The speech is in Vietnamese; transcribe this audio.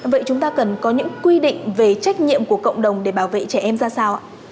vậy chúng ta cần có những quy định về trách nhiệm của cộng đồng để bảo vệ trẻ em ra sao ạ